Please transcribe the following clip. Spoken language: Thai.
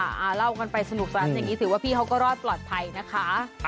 อ่าเล่ากันไปสนุกซะจริงถือว่าพี่เค้าก็รอดปลอดภัยนะคะ